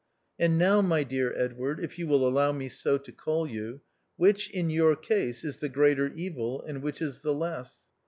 " And now, my dear Edward (if you will allow me so to call you), which, in your case, is the greater evil, and which is the less